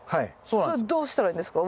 それどうしたらいいんですか？